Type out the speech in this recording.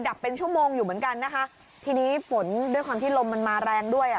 ดับเป็นชั่วโมงอยู่เหมือนกันนะคะทีนี้ฝนด้วยความที่ลมมันมาแรงด้วยอ่ะ